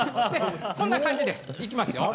こんな感じです。